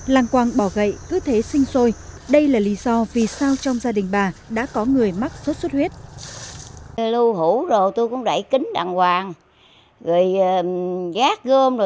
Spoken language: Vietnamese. lăng quăng bọ gậy cứ thế sinh sôi đây là lý do vì sao trong gia đình bà đã có người mắc sốt sốt huyết